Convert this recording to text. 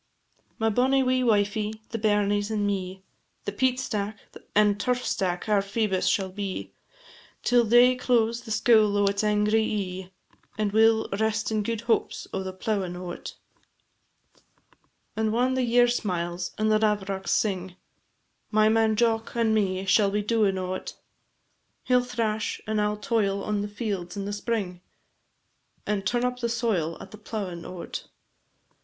My bonny wee wifie, the bairnies, and me, The peat stack, and turf stack our Phoebus shall be, Till day close the scoul o' its angry ee, And we 'll rest in gude hopes o' the plowin' o't. And whan the year smiles, and the lavrocks sing, My man Jock and me shall be doin' o't; He 'll thrash, and I 'll toil on the fields in the spring, And turn up the soil at the plowin' o't.